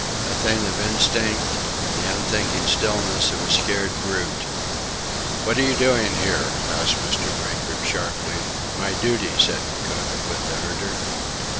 A thing of instinct the unthinking stillness of a scared brute. "What are you doing here?" asked Mr. Baker, sharply. "My duty," said the cook, with ardour.